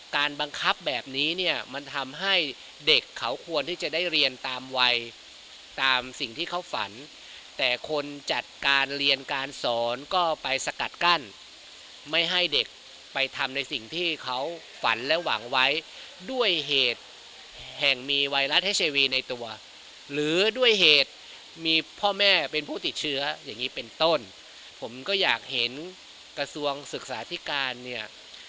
การบังคับแบบนี้เนี่ยมันทำให้เด็กเขาควรที่จะได้เรียนตามวัยตามสิ่งที่เขาฝันแต่คนจัดการเรียนการสอนก็ไปสกัดกั้นไม่ให้เด็กไปทำในสิ่งที่เขาฝันและหวังไว้ด้วยเหตุแห่งมีไวรัสให้เชวีในตัวหรือด้วยเหตุมีพ่อแม่เป็นผู้ติดเชื้ออย่างงี้เป็นต้นผมก็อยากเห็นกระทรวงศึกษาธิการเนี่ย